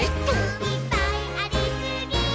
「いっぱいありすぎー！！」